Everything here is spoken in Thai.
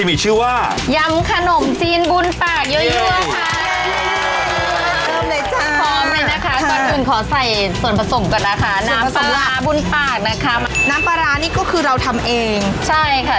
น้ำปลาร้าบนปากนะคะน้ำปลาร้านี่ก็คือเราทำเองใช่ค่ะ